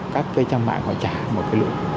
các cái trang mạng họ trả một cái lượng